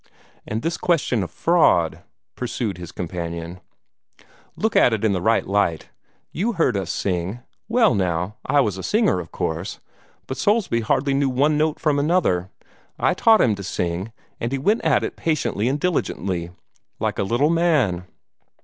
"And this question of fraud," pursued his companion, "look at it in this light. You heard us sing. Well, now, I was a singer, of course, but Soulsby hardly knew one note from another. I taught him to sing, and he went at it patiently and diligently, like a little man.